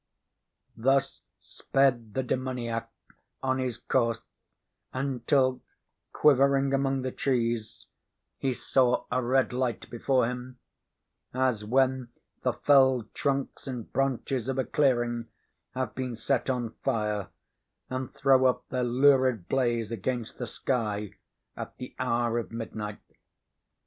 Thus sped the demoniac on his course, until, quivering among the trees, he saw a red light before him, as when the felled trunks and branches of a clearing have been set on fire, and throw up their lurid blaze against the sky, at the hour of midnight.